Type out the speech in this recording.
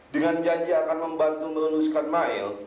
dengan janji akan membantu meluluskan mile